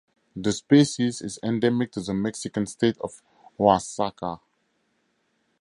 The species is endemic to the Mexican state of Oaxaca.